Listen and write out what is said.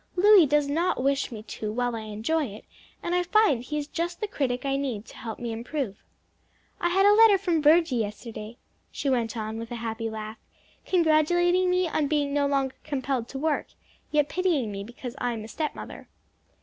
Louis does not wish me to while I enjoy it, and I find he is just the critic I need to help me to improve. I had a letter from Virgie yesterday," she went on with a happy laugh, "congratulating me on being no longer compelled to work, yet pitying me because I am a stepmother."